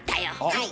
はい。